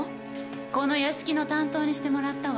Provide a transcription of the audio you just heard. この屋敷の担当にしてもらったわ。